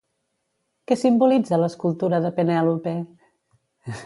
Què simbolitza l'escultura de Penèlope?